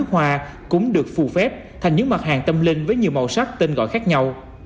hoa cũng được phù phép thành những mặt hàng tâm linh với nhiều màu sắc tên gọi khác nhau